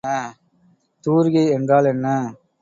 தூரிகை என்றால் என்ன?